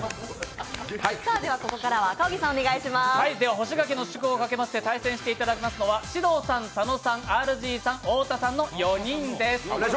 干し柿の試食をかけて対戦していただきますのは獅童さん、佐野さん、ＲＧさん、太田さんの４人です。